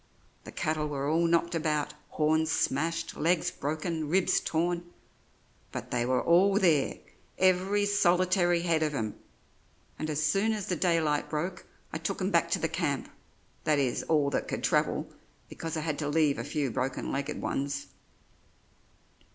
The cattle were all knocked about horns smashed, legs broken, ribs torn; but they were all there, every solitary head of 'em; and as soon as the daylight broke I took 'em back to the camp that is, all that could travel, because I had to leave a few broken legged ones."